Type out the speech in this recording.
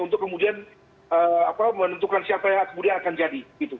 untuk kemudian menentukan siapa yang kemudian akan jadi